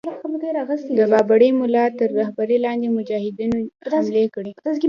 د بابړي مُلا تر رهبری لاندي مجاهدینو حملې کړې.